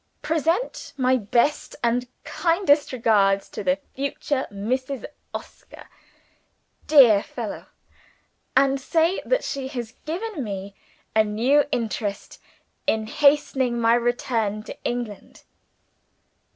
'Present my best and kindest regards to the future Mrs. Oscar' (dear fellow!); 'and say that she has given me a new interest in hastening my return to England.'